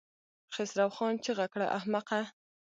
خسرو خان چيغه کړه! احمقه!